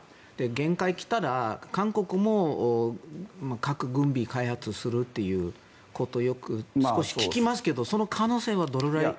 限界が来たら韓国も核軍備開発をするということを少し聞きますけどその可能性はどのぐらい。